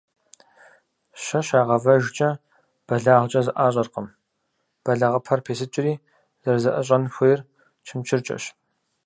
Щэ щагъэвэжкӀэ бэлагъкӀэ зэӀащӀэркъым, бэлагъыпэр песыкӀри - зэрызэӀыщӀэн хуейр чымчыркӀэщ.